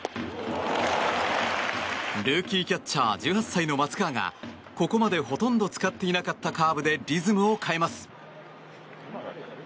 ルーキーキャッチャー１８歳の松川がここまでほとんど使っていなかったカーブでリズムを変えます。